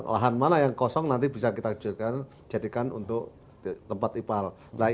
lahan mana yang kosong nanti bisa kita jadikan untuk tempat ipal